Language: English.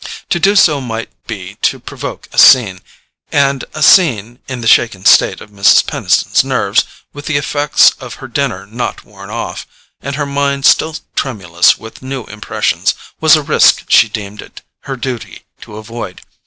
To do so might be to provoke a scene; and a scene, in the shaken state of Mrs. Peniston's nerves, with the effects of her dinner not worn off, and her mind still tremulous with new impressions, was a risk she deemed it her duty to avoid.